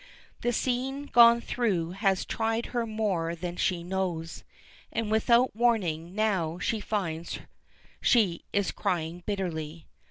The scene gone through has tried her more than she knows, and without warning now she finds she is crying bitterly.